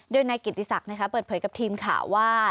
โดยนายกิติศักดิ์เปิดเผยกับทีมข่าวว่า